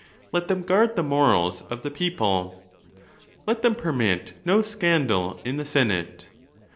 Let them guard the morals of the people. Let them permit no scandal in the senate.